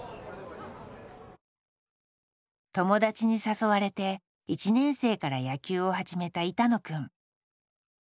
友達に誘われて１年生から野球を始めた板野くん。